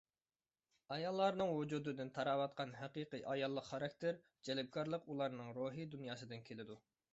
ئاياللارنىڭ ۋۇجۇدىدىن تاراۋاتقان ھەقىقىي ئاياللىق خاراكتېر، جەلپكارلىق ئۇلارنىڭ روھىي دۇنياسىدىن كېلىدۇ.